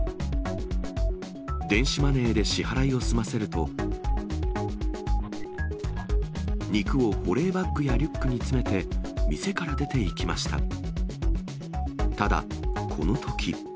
電子マネーで支払いを済ませると、肉を保冷バッグやリュックに詰めて、店から出ていきました。